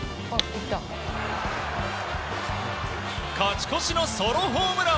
勝ち越しのソロホームラン。